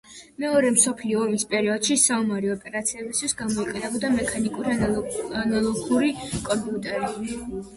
მეორე მსოფლიო ომის პერიოდში საომარი ოპერაციებისთვის გამოიყენებოდა მექანიკური ანალოგური კომპიუტერი.